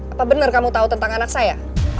apa benar kamu tahu tentang anak saya